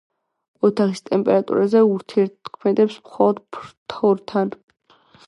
ოთახის ტემპერატურაზე ურთიერთქმედებს, მხოლოდ ფთორთან.